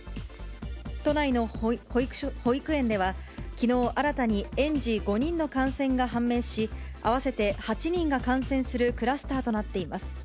都内の保育園では、きのう新たに園児５人の感染が判明し、合わせて８人が感染するクラスターとなっています。